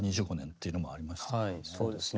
はいそうですね。